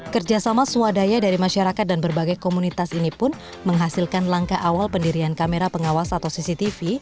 kerjasama swadaya dari masyarakat dan berbagai komunitas ini pun menghasilkan langkah awal pendirian kamera pengawas atau cctv